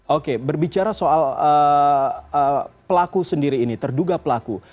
oke berbicara soal pelaku sendiri ini terduga pelaku